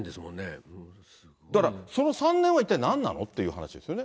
だからその３年は一体何なのっていう話ですよね。